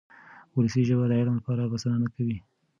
ولسي ژبه د علم لپاره بسنه نه کوي.